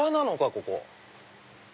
ここ。